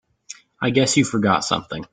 I guess you forgot something.